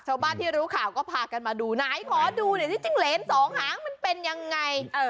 ชาวบ้านที่รู้ข่าวก็พากันมาดูไหนขอดูหน่อยสิจิ้งเหรนสองหางมันเป็นยังไง